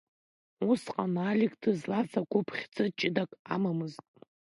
Усҟан Алик дызлаз агәыԥ хьыӡ ҷыдак амамызт.